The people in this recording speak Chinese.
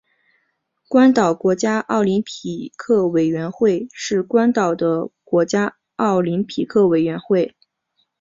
关岛国家奥林匹克委员会是关岛的国家奥林匹克委员会。